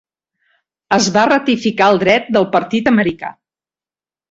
Es va ratificar el dret del partit americà.